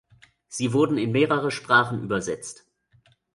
Sie wurden in mehrere Sprachen übersetzt.